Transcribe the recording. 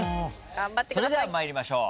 それでは参りましょう。